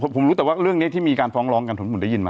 ผมรู้แต่ว่าเรื่องนี้ที่มีการฟ้องร้องกันผมได้ยินมา